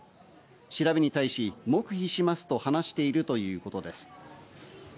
調べに対し、黙秘しますと話しているということです。